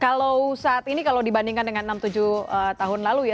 kalau saat ini kalau dibandingkan dengan enam tujuh tahun lalu ya